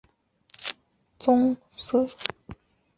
现在蒙古包顶部均已涂上橙色或棕色。